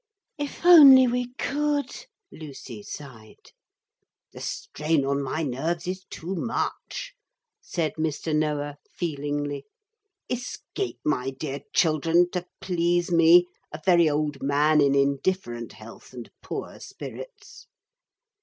'If we only could,' Lucy sighed. 'The strain on my nerves is too much,' said Mr. Noah feelingly. 'Escape, my dear children, to please me, a very old man in indifferent health and poor spirits.'